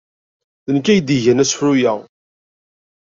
D nekk ay d-igan asefru-a.